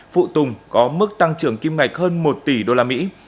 phụ tùng có mức tăng trưởng kim ngạch hơn một tỷ đô la mỹ